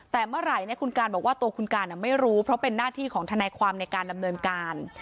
แต่เมื่อไหร่คุณการบอกว่าตัวคุณการไม่รู้เพราะเป็นหน้าที่ของทนายความในการดำเนินการ